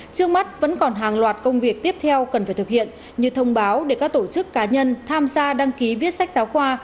trước mắt vẫn còn hàng loạt công việc tiếp theo cần phải thực hiện như thông báo để các tổ chức cá nhân tham gia đăng ký viết sách giáo khoa